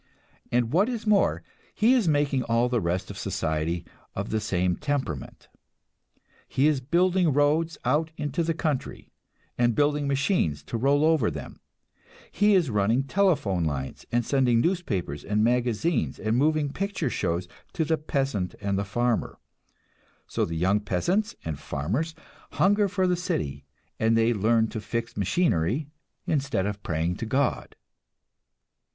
And what is more, he is making all the rest of society of the same temperament. He is building roads out into the country, and building machines to roll over them; he is running telephone lines and sending newspapers and magazines and moving picture shows to the peasant and the farmer; so the young peasants and farmers hunger for the city, and they learn to fix machinery instead of praying to God.